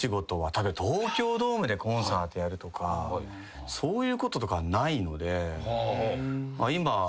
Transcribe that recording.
東京ドームでコンサートやるとかそういうこととかはないので。